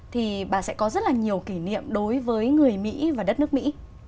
thì bà sẽ có rất là nhiều kỷ niệm đối với người mỹ và đất nước mỹ